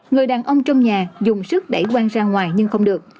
người đàn ông trong nhà dùng sức đẩy quang ra ngoài nhưng không được